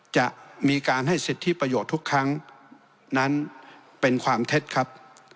จะมีการให้สิทธิประโยชน์ทุกครั้งนั้นเป็นความเท็จครับ